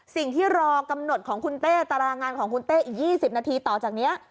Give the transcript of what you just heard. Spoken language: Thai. สิ่งที่รอกำหนดของคุณเต้ตารางงานของคุณเต้อีก๒๐นาทีต่อจากนี้